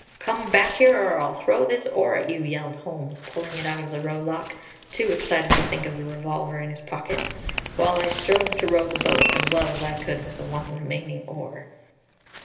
"Come back here, or I'll throw this oar at you!" yelled Holmes, pulling it out of the row lock, too excited to think of the revolver in his pocket, while I strove to row the boat as well as I could with the one remaining oar.